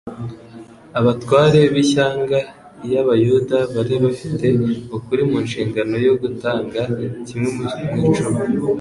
Abatware b'ishyanga iy'abayuda bari bafite ukuri mu nshingano yo gutanga kimwe mu icumi;